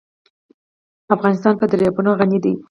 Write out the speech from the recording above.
افغانستان په دریابونه غني دی.